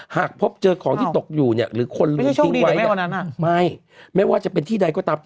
หากพบเจอของที่ตกอยู่เนี่ยหรือคนลืมทิ้งไว้เนี่ยไม่ไม่ว่าจะเป็นที่ใดก็ตาม